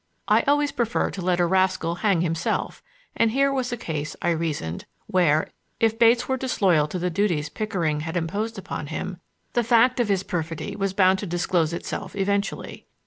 I always prefer to let a rascal hang himself, and here was a case, I reasoned, where, if Bates were disloyal to the duties Pickering had imposed upon him, the fact of his perfidy was bound to disclose itself eventually.